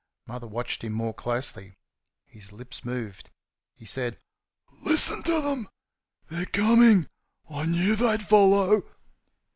Mother watched him more closely. His lips moved. He said, "LISTEN TO THEM! THEY'RE COMING! I KNEW THEY'D FOLLOW!"